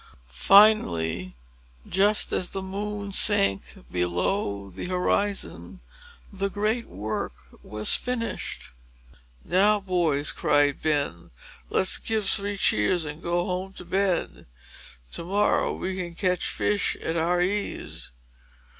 Finally, just as the moon sank below the horizon, the great work was finished. "Now, boys," cried Ben, "let's give three cheers, and go home to bed. To morrow, we may catch fish at our ease!"